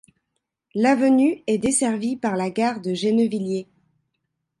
L'avenue est desservie par la gare de Gennevilliers.